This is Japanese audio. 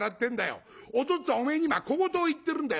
お父っつぁんおめえに今小言を言ってるんだよ。